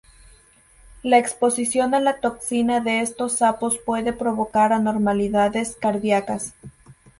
La exposición a la toxina de estos sapos puede provocar anormalidades cardiacas.